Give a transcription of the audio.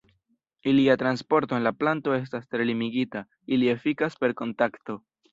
Ilia transporto en la planto estas tre limigita, ili efikas per kontakto.